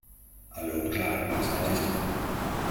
Alle Unklarheiten beseitigt?